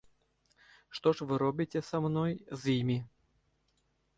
Што ж вы робіце са мной, з імі?